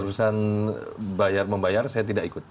urusan bayar membayar saya tidak ikut